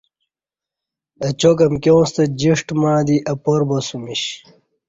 اچاک امکیاں ستہ جیݜٹ مع دی اپار باسمیش